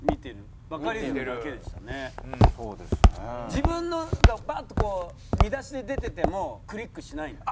自分のがバッとこう見出しで出ててもクリックしないんだ？